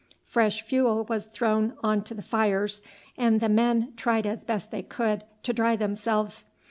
Fresh fuel was thrown on to the fires, and the men tried as best they could to dry themselves.